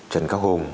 trần các hùng